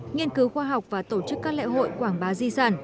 nghiên cứu khoa học và tổ chức các lễ hội quảng bá di sản